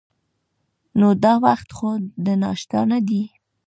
نو دا وخت خو د ناشتا نه دی.